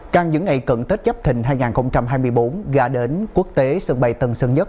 càng những ngày cận tết chấp thình hai nghìn hai mươi bốn gà đến quốc tế sân bay tân sơn nhất